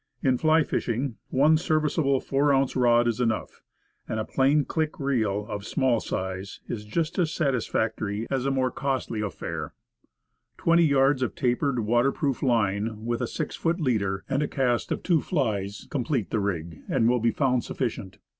In fly fishing, one ser viceable ten ounce rod is enough; and a plain click reel, of small size, is just as satisfactory as a more costly affair. Twenty yards of tapered, water proof line, with a six foot leader, and a cast of two flies, complete the rig, and will be found sufficient.